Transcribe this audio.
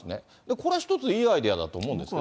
これは一ついいアイデアだと思うんですよね。